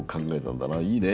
いいね。